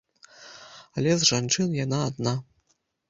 Але з жанчын яна адна.